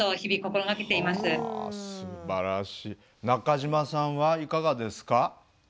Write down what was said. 中嶋さんはいかがですか？